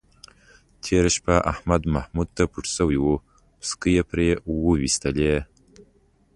تېره شپه احمد محمود ته پټ شوی و، پسکې یې پې وایستلی.